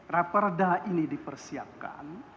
raperda ini dipersiapkan